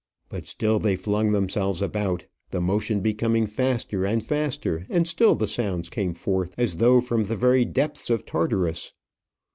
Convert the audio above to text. But still they flung themselves about, the motion becoming faster and faster; and still the sounds came forth as though from the very depths of Tartarus.